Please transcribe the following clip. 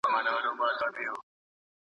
زما د زړه باغ يې تالا کړ